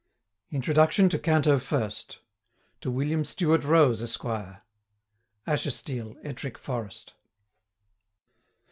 INTRODUCTION TO CANTO FIRST. TO WILLIAM STEWART ROSE, ESQ. Ashestiel, Ettrick Forest.